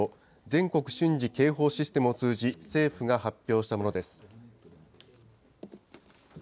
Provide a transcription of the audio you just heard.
・全国瞬時警報システムを通じ、政府が発表したものです。